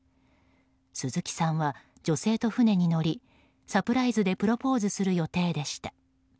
鈴木さんは女性と船に乗りサプライズでプロポーズする予定でした。